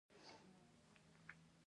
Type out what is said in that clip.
ازموینه د ګمارنې لپاره شرط ده